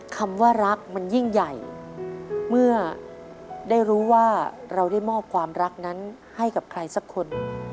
คำว่ารักมันยิ่งใหญ่เมื่อได้รู้ว่าเราได้มอบความรักนั้นให้กับใครสักคน